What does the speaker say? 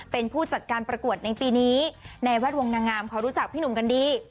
เป็นผู้จัดการประกวดในปีนี้ในแวดวงนางงามเขารู้จักพี่หนุ่มกันดี